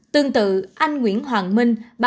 tương tự anh nguyễn hoàng minh